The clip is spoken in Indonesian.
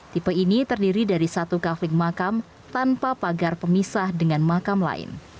tipe ini terdiri dari satu kafling makam tanpa pagar pemisah dengan makam lain